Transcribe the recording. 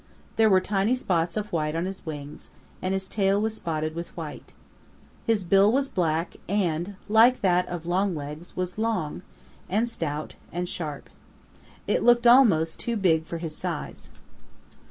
There were tiny spots of white on his wings, and his tail was spotted with white. His bill was black and, like that of Longlegs, was long, and stout, and sharp. It looked almost too big for his size.